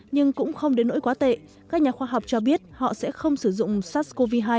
nhưng cũng không đến nỗi quá tệ các nhà khoa học cho biết họ sẽ không sử dụng sars cov hai